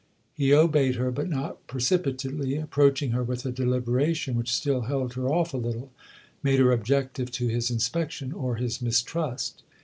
He obeyed her, but not precipitately, approaching her with a deliberation which still held her off a little, made her objective to his inspection or his mistrust.